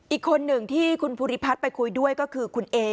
อีกคนหนึ่งที่คุณภูริพัฒน์ไปคุยด้วยก็คือคุณเอ